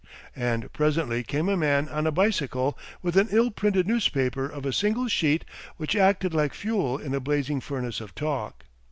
And presently came a man on a bicycle with an ill printed newspaper of a single sheet which acted like fuel in a blazing furnace of talk.